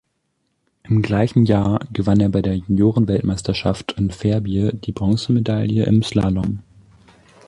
Im gleichen Jahr gewann er bei der Juniorenweltmeisterschaft in Verbier die Bronzemedaille im Slalom.